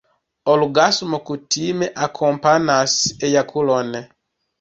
Orgasmo kutime akompanas ejakulon.